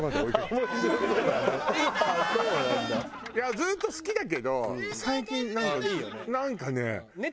ずっと好きだけど最近なんかね。